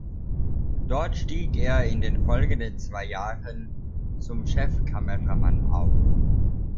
Dort stieg er in den folgenden zwei Jahren zum Chefkameramann auf.